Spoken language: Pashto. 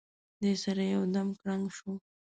دې سره یو دم کړنګ شو.